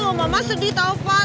kalau mama sedih tau pak